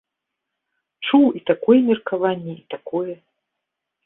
Чуў і такое меркаванне, і такое.